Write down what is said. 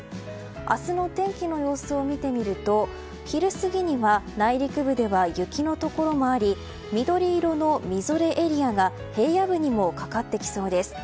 明日の天気の様子を見てみると昼過ぎには内陸部では雪のところもあり緑色のみぞれエリアが平野部にもかかってきそうです。